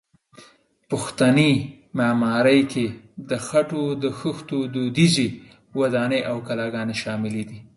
پښتني معمارۍ کې د خټو د خښتو دودیزې ودانۍ او کلاګانې شاملې دي.